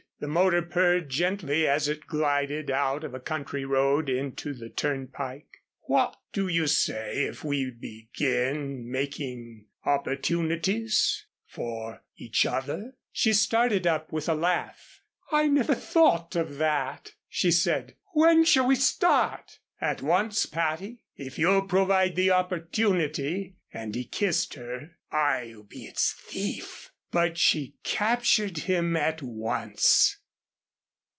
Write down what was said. The motor purred gently as it glided out of a country road into the turnpike. "What do you say if we begin making opportunities for each other?" She started up with a laugh. "I never thought of that," she said. "When shall we start?" "At once, Patty. If you'll provide the opportunity," and he kissed her, "I'll be its thief." But she captured him at once.